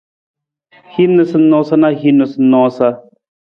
Hin noosanoosa na noosanoosa.